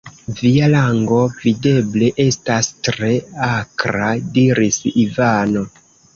Via lango, videble, estas tre akra, diris Ivano.